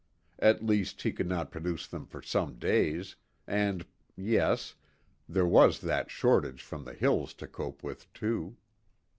At least he could not produce them for some days, and yes, there was that shortage from the hills to cope with, too.